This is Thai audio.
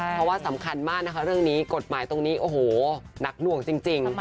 เพราะว่าสำคัญมากนะคะเรื่องนี้กฎหมายตรงนี้โอ้โหหนักหน่วงจริง